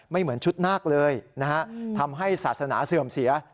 ไม่เหมือนชุดหน้ากเลยทำให้ศาสนาเสื่อมเสีย